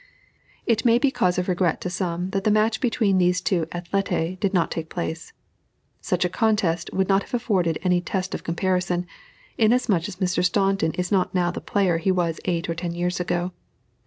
It may be cause of regret to some that the match between these two athletæ did not take place. Such a contest would not have afforded any test of comparison, inasmuch as Mr. Staunton is not now the player he was eight or ten years ago.